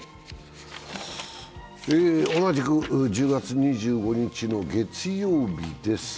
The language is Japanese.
同じく１０月２５日の月曜日です。